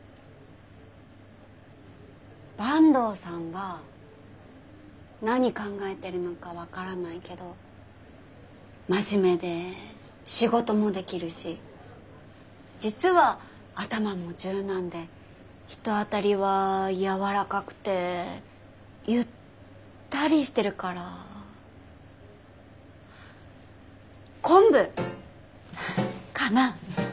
坂東さんは何考えてるのか分からないけど真面目で仕事もできるし実は頭も柔軟で人当たりは柔らかくてゆったりしてるから昆布かな。